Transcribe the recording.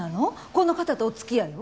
この方とお付き合いを？